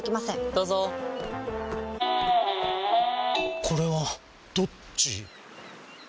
どうぞこれはどっち？